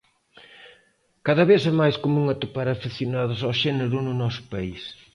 Cada vez é máis común atopar afeccionados ao xénero no noso país.